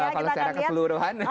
kalau secara keseluruhan